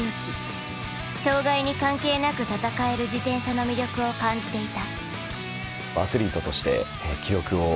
障害に関係なく戦える自転車の魅力を感じていた。